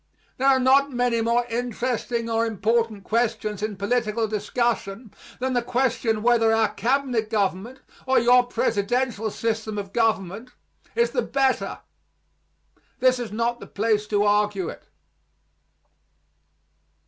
There are not many more interesting or important questions in political discussion than the question whether our cabinet government or your presidential system of government is the better. This is not the place to argue it.